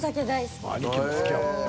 ［兄貴も好きやもんな］